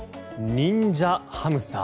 忍者ハムスター。